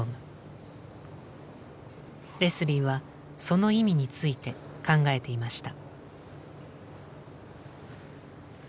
レスリーはその意味について考えていました。